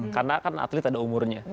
karena kan atlet ada umurnya